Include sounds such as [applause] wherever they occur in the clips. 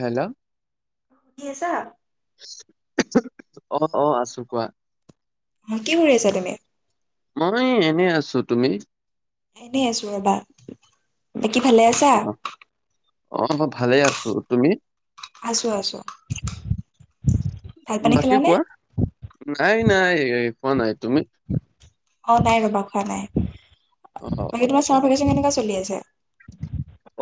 Hello কি আছা? অ অ আছো কোৱা। অ, কি কৰি আছা তুমি? মই এনেই আছো, তুমি? এনেই আছো ৰবা, বাকী ভালে আছা? অ অ মই ভালে আছো, তুমি? আছো, আছো। ভাত পানী বাকী খালানে? কোৱা, নাই নাই খোৱা নাই তুমি? অ নাই ৰবা খোৱা নাই, অ তুমি তোমাৰ আচ্ছা চামাৰভেকেশ্যন কেনেকুৱা চলি আছে?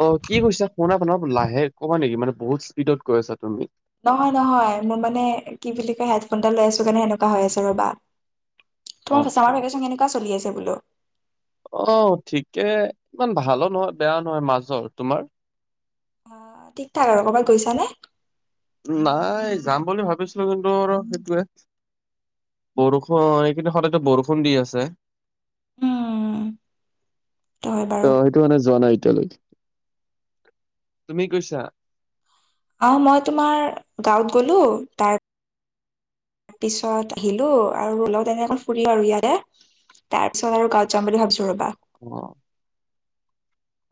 অ কি কৰিছা, ফোন অলপ লাহে কবা নেকি মানে বহুত স্পীডত কৈ আছা তুমি। নহয় নহয় মোৰ মানে কি বুলি কয় হেডফোন ডাল লৈ আছো কাৰণে হেনেকুৱা হৈ আছে ৰ'বা। অ তোমাৰ অ চামাৰ ভেকেশ্যন কেনেকুৱা চলি আছে বোলো? অ ঠিকেই ইমান ভালো নহয় বেয়া নহয় মাজৰ, তোমাৰ? অ ঠিক ঠাক আৰু ক'ৰবাত গৈছানে? নাই যাম বুলি ভাবিছিলো কিন্তু আৰু সেইটোৱে - বৰষুণ এই কেইদিন সদায়তো বৰষুণ দি আছে। উম সেইটো হয় অ বাৰু। সেইটো কাৰণে যোৱা নাই এতিয়ালৈকে, তুমি গৈছা? অ মই তোমাৰ গাঁৱত গলো। তাৰ - পিছত আহিলো আৰু লগত তেনে ফুৰিলো আৰু ইয়াতে। তাৰ পিছত আৰু গাঁৱত যাম বুলি ভাবিছো ৰবা। অ।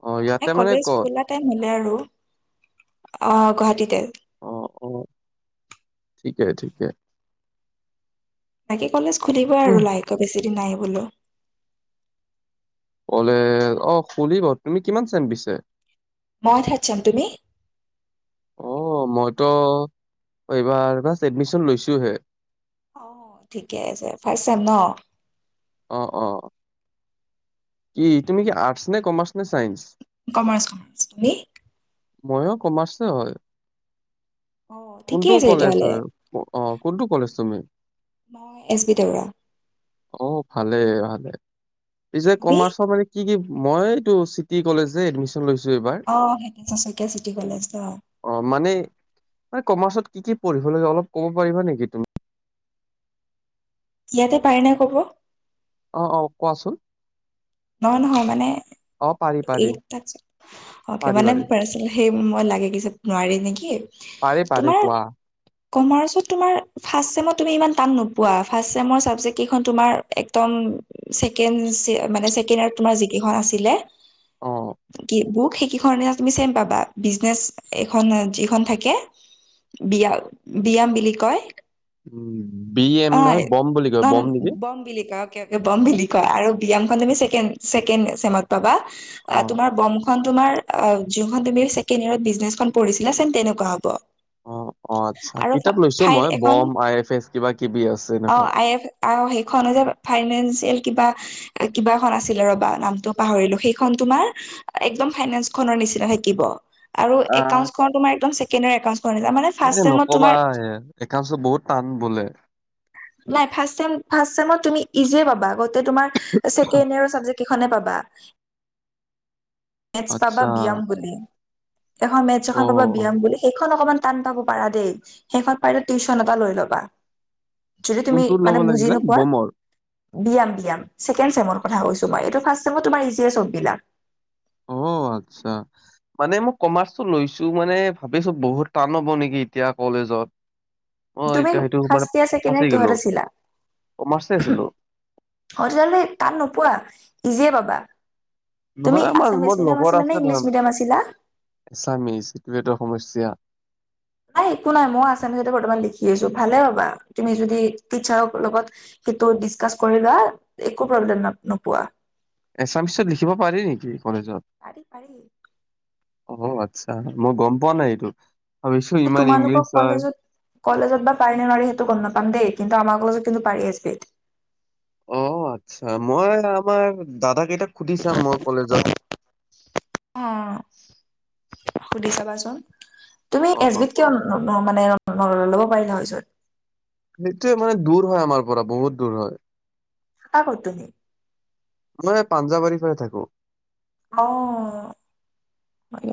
অ এ ইয়াতে মানে কলেজ ক'ত খোলা টাইম হলে আৰু অ গুৱাহাটীতে। অঁ অঁ ঠিকেই ঠিকেই। তাকে কলেজ খুলিবই আৰু উম। লাহেকে বেছি দিন নাই বোলো। কলেজ অ খুলিব, তুমি কিমান চেম পিছে? মই থাৰ্ট চেম, তুমি? অ মইতো এইবাৰ যাষ্ট এডমিশ্যন লৈছোহে। অ ঠিকে আছে ফাষ্ট চেম ন? অ অ। কি তুমি কি আৰ্টচ নে, কমাৰ্চ নে, চাইন্স? কমাৰ্চ কমাৰ্চ, তুমি? মইয়ো কমাৰ্চে হয়, অ ঠিকে কোনটো আছে তেতিয়াহ'লে কলেজৰ? অ, কোনটো কলেজ তুমি? মই এছ বি দেউৰা। অ ভালেই ভালে, পিছে তুমি কমাৰ্চৰ মানে - কি কি মই এইটো চিটি কলেজ এডমিশ্যন - লৈছো এইবাৰ। অ সেইটো হিতেশ্বৰ শইকীয়া চিটি কলেজ ন। অ মানে, মানে কমাৰ্চত কি কি পঢ়িব লাগে অলপ ক'ব পাৰিবা নেকি তুমি? ইয়াতে পাৰে নে কব? অ অ কোৱাচোন। নহয় নহয় মানে, অ' পাৰি পাৰি এই পাৰ্চনেল অকে পাৰি মানে পাৰি মোৰ পাৰ্চনেল - সেই মই লাগে কিজান নোৱাৰি নেকি! পাৰি পাৰি তোমাৰ কোৱা। কমাৰ্চত তোমাৰ - ফাৰ্ষ্ট চেমত তুমি ইমান টান নোপোৱা ফাৰ্ষ্ট চেমৰ চাবজেক্ট কেইখন তোমাৰ একদম ছেকেণ্ড চে মানে ছেকেণ্ড ইয়েৰৰ তোমাৰ যিকেইখন আছিলে অ'। কি বুক সেই কিখন ইয়াত তুমি চেম পাবা বিজনেচ এইখন যিখন থাকে। বিয়া বিয়াম বুলি কয়। উম, বি এম অ নহয় বম বুলি কয় নহয় বম নহয় নেকি? বম বিলিকা। বমবিলিকা আৰু বিয়ামখন তুমি ছেকেণ্ড ছেকেণ্ড চেমত পাবা, আ অ', তোমাৰ বম খন তোমাৰ আ যোনখন তুমি ছেকেণ্ড ইয়াৰত বিজনেচখন পঢ়িছিলা চেম তেনেকুৱা হ'ব। অ অ আচ্ছা আৰু কিতাপ লৈছো ফাইল মই এখন বম আই এফ এছ কিবা কিবি আছে এনেকুৱা। আও সেইখনে যে ফাইনেঞ্চিয়েল কিবা কিবা খন আছিলে ৰ'বা নামটো পাহৰিলো সেইখন তোমাৰ একদম ফাইনেন্স খনৰ নিচিনা থাকিব। আৰু আহ, একাউণ্টচখন তোমাৰ একদম ছেকেণ্ড ইয়েৰ একাউণ্টচখনৰ নিচিনা মানে এ ফাৰ্ষ্ট ছেমত নকবা তোমাৰ একাউণ্টচটো বহুত টান বোলে। নাই ফাৰ্ষ্ট চেম ফাৰ্ষ্ট চেমত তুমি ইজিয়ে পাবা, গোটেই তোমাৰ ছেকেণ্ড ইয়েৰৰ চাবজেক্ট কেইখনে পাবা, নেক্সট্ আচ্ছা পাবা ব্যয়াম বুলি। এখন মেটচ অ', এখন পাবা অ। ব্যয়াম বুলি সেইখন অকমান টান পাব পাৰা দেই, সেইখনত পাৰিলে টিউশচন এটা লৈ ল'বা। যদি তুমি কোনটোৰ ল'ব মানে বুজি লাগিলে নোপোৱা বমৰ? ব্যায়াম ব্যায়াম ছেকেণ্ড চেমৰ কথা কৈছো মই এইটো ফাৰ্ষ্ট চেমত তোমাৰ ইজিয়ে চব বিলাক। ঔ আচ্ছা। মানে মই কমাৰ্চটো লৈছো মানে ভাবিছো বহুত টান হ'ব নেকি এতিয়া কলেজত। অ', তুমি এতিয়া সেইটো মানে ফাৰ্ষ্ট ইয়েৰ ছেকেণ্ড ফাঁচি ইয়েৰ গ'লো কিহত আছিলা? কমাৰ্চে আছিলো। অঁ তেতিয়া হলে টান নোপোৱা ইজিয়ে পাবা। তুমি নহয় আমাৰ আছামিছ মোৰ মিডিয়াম আছিলা নে ইংলিছ মিডিয়াম আছিলা? এছামিচ সেইটোৱেটো সমস্যা। নাই একো নাই মইও আছামিচতে বৰ্তমান লিখি আছো ভালে পাবা তুমি যদি টিচাৰক লগত কিন্তু ডিচকাচ কৰিবা একো প্ৰব্লেম ন নোপোৱা। এছামিচত লিখিব পাৰি নেকি কলেজত? পাৰি পাৰি অ আচ্ছা মই গম পোৱা নাই এইটো, ভাবিছো ইমান তোমালোকৰ ইংলিছ হয়। কলেজত কলেজত বা পাৰি নে নোৱাৰি সেইটো গম নাপাম দেই, কিন্তু আমাৰ কলেজত কিন্তু পাৰি এছ বিত। আচ্চা মই আমাৰ দাদা কেইটাক সুধি চাম মই কলেজত। অঁ সুধি চাবাচোন, তুমি অ' এছ অ' বিত কিয় ন ন মানে ল'ব পাৰিলা হয়চোন। সেইটোৱে মানে দূৰ হয় আমাৰ পৰা বহুত দূৰ হয়। থাকা কত তুমি? মই সে পাঞ্জাবাৰী ফালে থাকো। অ।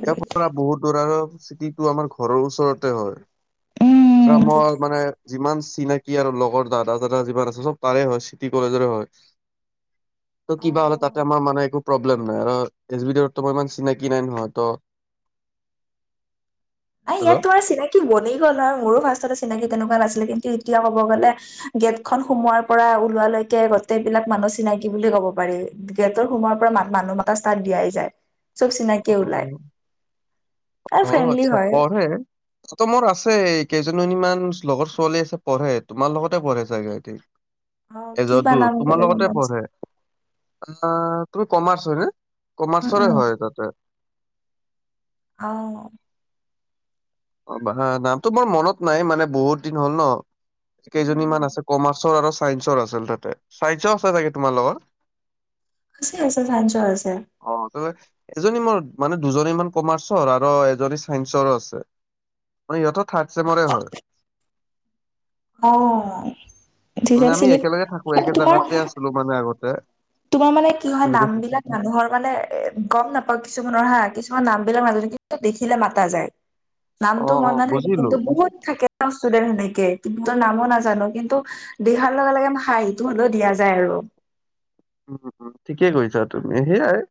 ইয়াৰ পৰা বহুত দূৰ আৰু চিটিটো আমাৰ ঘৰৰ ওচৰতে হয়। উম আৰু ঠিকে মই মানে যিমান চিনাকি আৰু লগৰ দাদা চাদা যিমান আছে চব তাৰে হয় চিটি কলেজৰে হয়। ত অ কিবা হ'লে তাত আমাৰ মানে একো প্ৰব্লেম নাই, আৰু এছ বি দিওতো মই ইমান চিনাকি নাই নহয়। ত আৰে হেল্ল' ইয়াত তোমাৰ চিনাকি বনি গ'ল হয়, মোৰো ফাৰ্ষ্টতে চিনাকি তেনেকুৱা নাছিলে কিন্তু এতিয়া কব গ'লে গেটখন সোমোৱাৰ পৰা ওলোৱালৈকে গটেই বিলাক মানুহ চিনাকি বুলি ক'ব পাৰি। গেটৰ সোমোৱাৰ পৰা মা মানুহ মতা ষ্টাৰ্ট দিয়াই যায়। চব চিনাকিয়ে ওলাই অ' আৰু ফ্ৰেণ্ডলি হয়। হয় তাতে মোৰ আছেই কেইজনীমান লগৰ ছোৱালী আছে পঢ়ে তোমাৰ লগতে পঢ়ে চাগে সিহতি অ এ কিবা যদু নাম তোমাৰ ক'লে গম লগতে পাম পঢ়ে চাগে অ তুমি কমাৰ্চ হয় নে উম কমাৰ্চৰে উম হয় তাতে অ নামটো মোৰ মনত নাই মানে বহুত দিন হ'ল ন কেইজনী মান উম। আছে কমাৰ্চৰ আৰু চাইঞ্চৰ আছিল তাতে চাইঞ্চৰ আছে চাগে তোমাৰ লগৰ আছে আছে চাইঞ্চৰ আছে অ তাত এজনী মোৰ মানে দুজনী মান কমাৰ্চৰ আৰু এজনী চাইন্সৰ আছে মানে ইহঁতেও থাৰ্ড চছেমৰে হয় অ তেতিয়া আমি চিনি একেলগে থাকো একে তোমাৰ জেগাতে আছিলো মানে আগতে তোমাৰ মানে কি হয় তেনেকে নাম বিলাক মানুহৰ মানে এ গম নাপাও কিছুমান হা কিছুমান নাম বিলাক মাজতে কিন্তু দেখিলে মাতা যায় নামটো অ', মন অ' নাথাকে বুজিলো। কিন্তু বহুত থাকে চব ষ্টুডেন্ট সেনেকে কিন্তু ত নামো নাজানো কিন্তু দিহাৰ লগে লগে হাঁহিটো হলেও দিয়া যায় আৰু উম ঠিকেই কৰিছা তুমি সেয়াই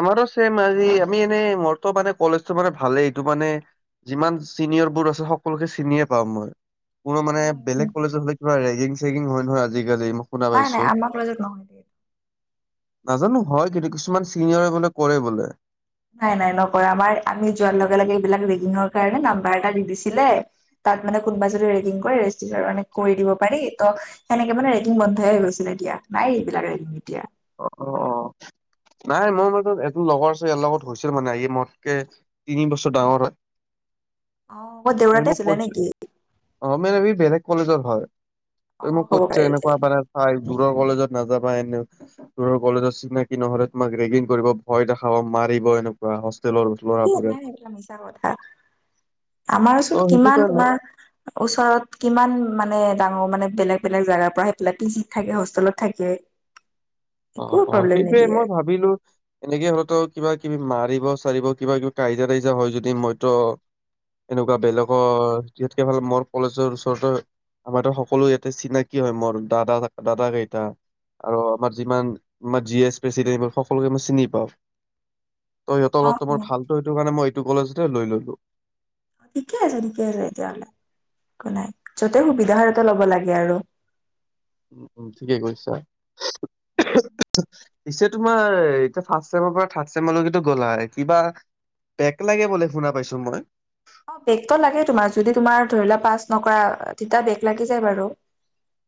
আমাৰো চেমেই আজি আমি এনেই মোৰতো মানে কলেজটো মানে ভালেই এইটো মানে যিমান চিনিয়ৰ বোৰ আছে সকলোকে চিনিয়ে পাওঁ মই কোনো মানে বেলেগ কলেজ হলে কিবা ৰেগিং চেগিং হয় নহয় আজিকালি শুনা নাই পাইছো নাই আমাৰ কলেজত নহয় দে। নাজানো হয় কিন্তু কিছুমান চিনিয়ৰে বোলে কৰে বোলে নাই নাই নকৰা আমাৰ আমি যোৱাৰ লগে লগে এইবিলাক ৰেগিঙৰ কাৰণে নাম্বাৰ এটা দি দিছিলে তাত মানে কোনোবা যদি ৰেগিং কৰে ৰেজিষ্টাৰ কৰি দিব পাৰি ত সেনেকে মানে ৰেগিং বন্ধই হৈ গৈছিল এতিয়া নাই এইবিলাক ৰেগিং এতিয়া অ', অ', নাই মই মাজত এজন লগৰ আছে ইয়াৰ লগত হৈছিল মানে হি মতকে তিনি বছৰ ডাঙৰ হয় অ' সি দেউৰাতে মোক আছিলে কৈছে নেকি? অ মেম ই বেলেগ কলেজত হয় তই অ', মোক হ'ব কৈছ পাৰে এনেকুৱা বাৰে চাই দূৰৰ কলেজত নাযাবা এনেও তোৰ কলেজৰ চিনাকি নহলে তোমাক ৰেগিং কৰিব ভয় দেখাব মাৰিব এনেকুৱা হোষ্টেলৰ এ ল'ৰাবোৰে নাই নাই সেইবিলাক মিছা কথা আমাৰচোন ত' সেইটো কিমান কাৰণে তোমাৰ ওচৰত কিমান মানে ডাঙৰ মানে বেলেগ বেলেগ জাগাৰ পৰা আহি পেলাই পি জিত থাকে হোষ্টেলত থাকে [unintelligible] অ অ প্ৰব্লেম সেইটোৱে নিদিয়ে মই ভাবিলো এনেকে হলেতো কিবা কিবি মাৰিব চাৰিব কিবা কিবি কাজিয়া তাজিয়ি হয় যদি মইত এনেকুৱা বেলেগৰ যি হাতকে ফালে মৰ কলেজৰ ওচৰতে আমাৰ টো সকলো ইয়াতে চিনাকি হয় মোৰ দাদা দাদা কেইটা আৰু আমাৰ যিমান আমাৰ জি এ প্ৰেচিডেন সকলোকে মই চিনি পাওঁ ত সিহঁত অ', লগতো মোৰ অ', ভাল ত সেইটো কাৰণে মই এইটো কলেজতে লৈ ললো ঠিকে আছে ঠিকে আছে এতিয়া হলে একো নাই য'তে সুবিধা হয় তাতে ল'ব লাগে আৰু উম উম ঠিকেই কৈছা পিছে তোমাৰ এতিয়া ফাৰ্ষ্ট চেমৰ পৰা থাৰ্ড চেম লৈকে টো গ'লা কিবা বেক লাগে বুলে শুনা পাইছো মই অ বেগত লাগে তোমাৰ যদি তোমাৰ ধৰি লোৱা পাছ নকৰা তেতিয়া বেগ লাগি যায় বাৰু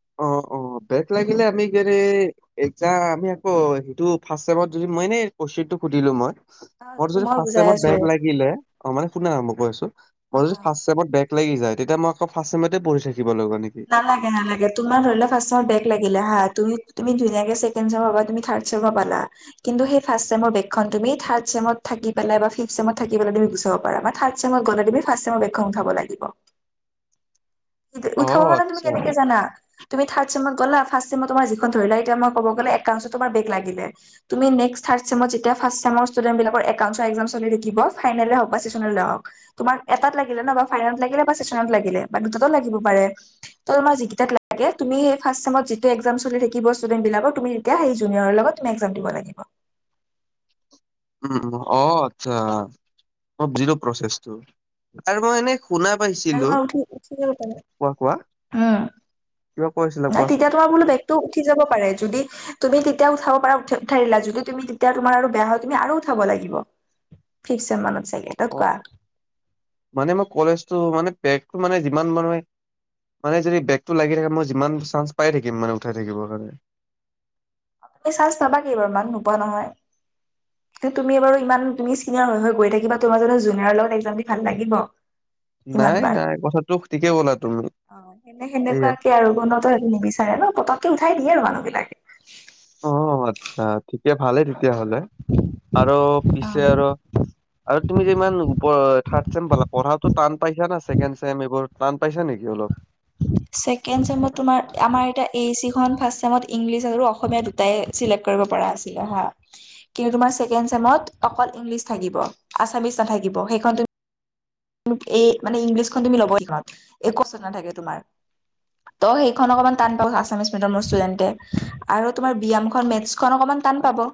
[inaudible] ব্ৰেক লাগিলে, আমি [unintelligible] এক্সাম, আমি আকৌ সেইটো, ফাৰ্ষ্ট ছেমত যদি মই, এনেই কোৱেছনটো সুধিলোঁ, মই। মোৰ অ', যদি মই ফাৰ্ষ্ট বুজাই ছেমত আছো ব্ৰেক লাগিলে, অ'! মানে শুনা? মই কৈ আছোঁ। মই অ', যদি, অ'। ফাৰ্ষ্ট ছেমত ব্ৰেক লাগি যায়, তেতিয়া মই আ'ক ফাৰ্ষ্ট ছেমতে, পঢ়ি থাকিব লাগিবনে? নালা নালাগে, নালাগে। তোমাৰ ধৰি লোৱা, ফাৰ্ষ্ট ছেমত ব্ৰেক লাগিল হা! তুমি ধুনীয়াকে, ছেকেণ্ড ছেমৰ পৰা, থাৰ্ড ছেম পালা। কিন্তু, সেই ফাৰ্ষ্ট ছেমৰ, ব্ৰেক খন তুমি, থাৰ্ড ছেমত থাকি পেলাই বা ফিপ্ট ছেমত থাকি পেলাই, তুমি গুচাব পাৰা। ফাৰ্ড ছেমত গ'লে তুমি, ফাৰ্ষ্ট ছেমৰ ব্ৰেক খন উঠাব লাগিব। উঠাব অ', মানে, তুমি আচ্ছা কেনেকে, জানা? তুমি থাৰ্ড ছেমত গ'লা, ফাৰ্ষ্ট ছেমত তোমাৰ যিখন ধৰি লোৱা, এতিয়া মই ক'ব গ'লে, [unintelligible] তোমাৰ ব্ৰেক লাগিলে। তুমি নেক্সট থাৰ্ড ছেমত যেতিয়া, ফাৰ্ষ্ট ছেমৰ ষ্টুডেণ্ট বিলাকৰ, একাউঞ্চৰ একজাম চলি থাকিব, ফাইনেলে হওঁক বা চেচনেলে হওঁক। তোমাৰ এটাত লাগিলে ন' ফাইনেলত লাগিলে বা চেচনেলত লাগিলে বা দুটাতো লাগিব পাৰে! ত' তোমাৰ যি কেইটাত লাগে, তুমি ফাৰ্ষ্ট ছেমত যেতিয়া, একজাম চলি থাকিব ষ্টুডেণ্ট বিলাকৰ, তুমি তেতিয়া, সেই জুনিয়ৰ লগত তুমি একজাম দিব লাগিব। উম, উম। অ' আচ্ছা! অ' বুজিলোঁ প্ৰচছটো। আৰু মই এনে, শুনা পাইছিলো কোৱা কোৱা [unintelligible] উম! কিবা কৈছিলা, কোৱাচোন? ত' উঠি যাব পাৰে, যদি তুমি তেতিয়া, উঠাব পাৰা উঠাই দিয়া। যদি তুমি, তেতিয়া তোমাৰ আৰু বেয়া হয়, তুমি আৰু উঠাব লাগিব। পিষ্ট ছেম মানত চাগে, অ', [unintelligible] মানে মই কলেজতটো, মানে, ব্ৰেকটো মানে যিমান মাৰোৱে মানে যদি, ব্ৰেকটো লাগি থাকে, মই যিমান চান্স পাই থাকিম, মানে উঠাই থাকিবৰ কাৰণে। তুমি চান্স পাবা কেইবাৰমান, নোপোৱা নহয়। তুমি বাৰু ইমান, তুমি চিনিয়ৰ হৈ গৈ থাকিবা, তোমাৰ যানো জুনিয়ৰ লগত একজাম দি ভাল লাগিব! ইমান নাই বাৰ। নাই কথাটো ঠিকে ক'লা তুমি অ'! সেনে সেয়া সেনেকুৱাকে আৰু কোনো ত' নিবিচাৰে ন'! পতককে উঠাই দিয়ে, মানুহ বিলাকে। অ আচ্ছা! ঠিকে ভালেই তেতিয়য়াহ'লে আৰু পিছে অ আৰু আৰু তুমি যে, ইমান ওপৰ, থাৰ্ড ছেম পালা, পঢ়াটো টান পাইছানে, ছেকেণ্ড ছেম এইবোৰ, টান পাইছে নেকি অলপ? ছেকেণ্ড ছেমত তোমাৰ, আমাৰ এতিয়া, এ এ চি খন ফাৰ্ষ্ট টাইমত ইংলিছ আৰু অসমীয়া দুটাই, চিলেক্ট কৰিব পৰা আছিলে, হা। কিন্তু, তোমাৰ ছেকেণ্ড ছেমত, অকল ইংলিছ থাকিব, আছামিছ নাথাকিব। সেইখন তুমি এই, মানে ইংলিছখন তুমি ল'বই লাগিব, [unintelligible] নাথাকে, তোমাৰ। ত' সেইখন অকমান টান পাব আছামিছ মিডিয়ামৰ ষ্টুডেন্টে! আৰু তোমাৰ ব্যয়ামখন, মেটচ খন অকণমান টান পাব।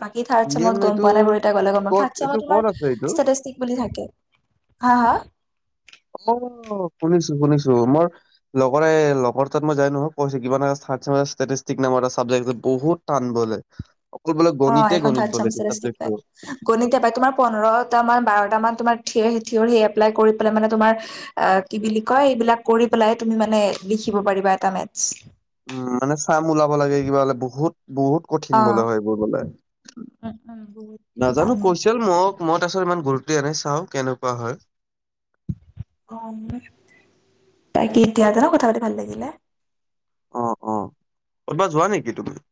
বাকী, থাৰ্ড বি এম ছেমত গম এইটো পোৱা নাই বাৰু। এতিয়া, গ'লে গম পাম। ক'ত থাৰ্ড এইটো ছেমত ক'ত আছে তোমাৰ, এইটো ষ্টেটিষ্টিক বুলি থাকে। হা হা? অ'! শুনিছোঁ-শুনিঁছো। মই লগৰে, লগৰ তাত মই যাই নহয়, কৈছে! কিবা এটা ষ্টেটিষ্টিক বহুত টান বোলে! অকল বোলে অ'! গণিতে এইখন গণিত থাৰ্ছ বোলে এইটো চেমিষ্টাৰ চাবজেক্টটো। [unintelligible] গণিতে পাই, তোমাৰ পোন্ধৰটা মান- বাৰটা মান, তোমাৰ, থিয়ৰি এপ্লাই কৰি পেলাই মানে, তোমাৰ আঁ কি বুলি কয়! এইবিলাক কৰি পেলাই, তুমি মানে, লিখিব পাৰিবা এটা মেটচ। উম, মানে, চাম ওলাব লাগে, কিবা বোলে বহুত, বহুত কঠিন অ বোলে হয়, এইবোৰ বোলে! উম উম বহুত নাজানোঁ, কৈছিল। মোক মই তাৰপিছত ইমান গুৰুত্বে দিয়া নাই, চাওঁ কেনেকুৱা হয়। অঁ, তাকে এতিয়া ন কথা পাতি ভাল লাগিলে। অ' অ' ক'ৰবাত যোৱা নেকি তুমি?